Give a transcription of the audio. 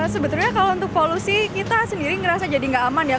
sebetulnya kalau untuk polusi kita sendiri ngerasa jadi nggak aman ya